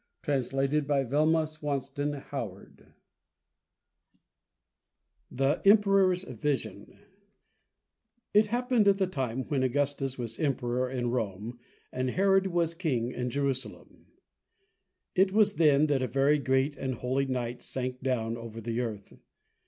[Illustration: The Emperor's Vision] THE EMPEROR'S VISION It happened at the time when Augustus was Emperor in Rome and Herod was King in Jerusalem. It was then that a very great and holy night sank down over the earth.